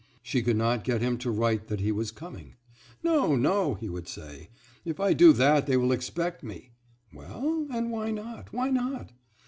She could not get him to write that he was coming. "No, no," he would say, "if I do that they will expect me." "Well, and why not,—why not?"